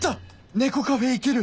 猫カフェ行ける！